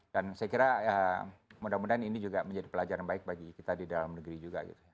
dan saya kira mudah mudahan ini juga menjadi pelajaran baik bagi kita di dalam negeri juga